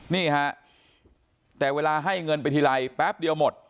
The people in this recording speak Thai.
นี่ฮะแต่เวลาให้เงินไปทีไรแป๊บเดียวหมด